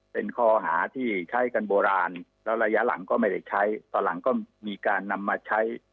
เป็นข้อหาที่ใช้กันโบราณแล้วระยะหลังก็ไม่ได้ใช้ตอนหลังก็มีการนำมาใช้